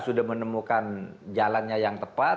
sudah menemukan jalannya yang tepat